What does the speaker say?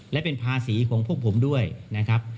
และเป็นภาษีของพวกผมด้วยนะครับ